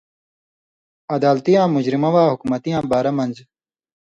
عدالتیاں، جرمہ واں، حُکمتیاں بارہ مَن٘ژ